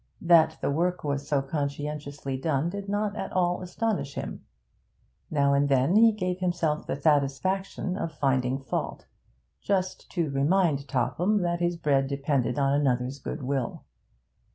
That the work was so conscientiously done did not at all astonish him. Now and then he gave himself the satisfaction of finding fault: just to remind Topham that his bread depended on another's goodwill.